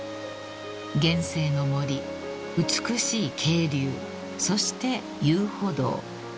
［原生の森美しい渓流そして遊歩道］